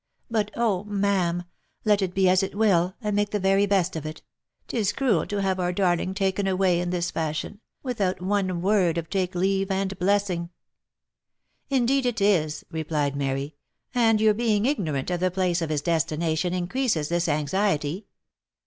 But, oh ! ma'am, let it be as it will, and make the very best of it, 'tis cruel to have our darling taken away in this fashion, without one word of take leave and blessing!" " Indeed it is !" replied Mary; " and your being ignorant of the place of his destination increases this anxiety.